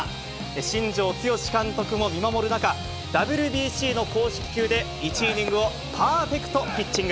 新庄剛志監督も見守る中、ＷＢＣの公式球で、１イニングをパーフェクトピッチング。